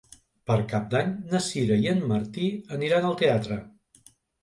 Per Cap d'Any na Sira i en Martí aniran al teatre.